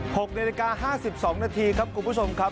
หกนาฬิกา๕๒นาทีครับคุณผู้ชมครับ